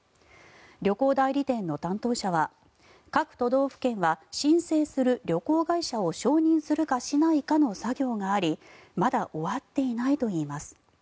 旅行代理店の担当者は各都道府県は申請する旅行会社を承認するかしないかの作業がありまだ終わっていないといいます。